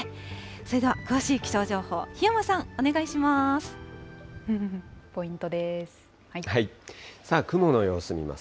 それでは詳しい気象情報、檜山さポイントです。